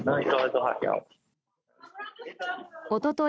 おととい